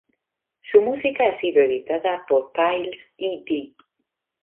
Su música ha sido editada por Piles, Ed.